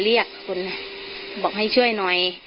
เรียกคนบอกให้ช่วยหน่อย